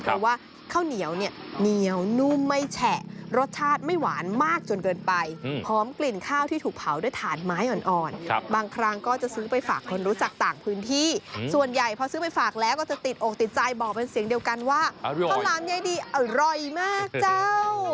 เพราะว่าข้าวเหนียวเนี่ยเหนียวนุ่มไม่แฉะรสชาติไม่หวานมากจนเกินไปหอมกลิ่นข้าวที่ถูกเผาด้วยถ่านไม้อ่อนบางครั้งก็จะซื้อไปฝากคนรู้จักต่างพื้นที่ส่วนใหญ่พอซื้อไปฝากแล้วก็จะติดอกติดใจบอกเป็นเสียงเดียวกันว่าข้าวหลามยายดีอร่อยมากเจ้า